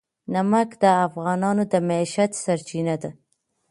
نمک د افغانانو د معیشت سرچینه ده.